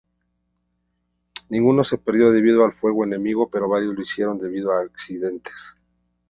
Ninguno se perdió debido al fuego enemigo, pero varios lo hicieron debido a accidentes.